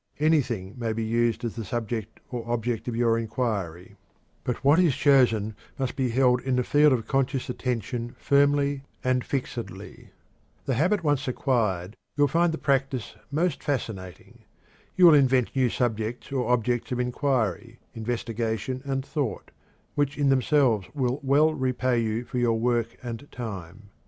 Anything may be used as the subject or object of your inquiry; but what is chosen must be held in the field of conscious attention firmly and fixedly. The habit once acquired, you will find the practice most fascinating. You will invent new subjects or objects of inquiry, investigation, and thought, which in themselves will well repay you for your work and time.